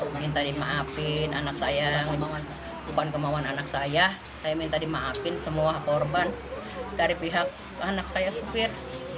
saya minta dimaafkan saya minta dimaafkan semua korban dari pihak anak saya supir